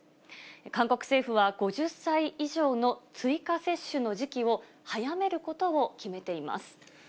韓国政府は、５０歳以上の追加接種の時期を早めることを決めています。